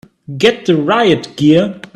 Get the riot gear!